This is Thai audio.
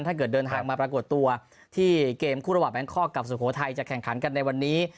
เดินทางมาปรากฏตัวที่เกมคู่ระหว่างแบงคอกกับสุโขทัยจะแข่งขันกันในวันนี้